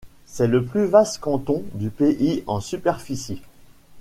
C'est le plus vaste canton du pays en superficie.